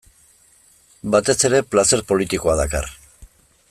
Batez ere, plazer politikoa dakar.